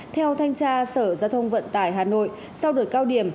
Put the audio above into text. theo thanh tra sở giao thông vận tải hà nội sau đợt cao điểm